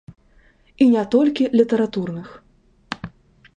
І не толькі літаратурных.